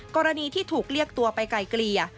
กรณีที่ถูกเรียกตัวไปไกลเกลี่ย